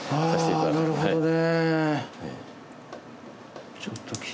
ああなるほどね。